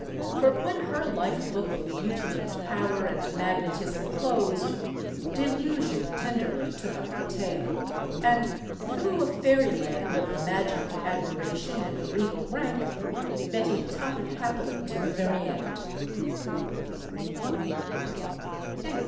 For when her life book of beauty and power and magnetism closed, Delusion tenderly took up the tale. And through a fairyland of imagined admiration and regal rank, Betty tottered happily to the very end.